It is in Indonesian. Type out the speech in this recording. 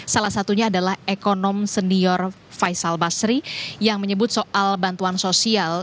salah satunya adalah ekonom senior faisal basri yang menyebut soal bantuan sosial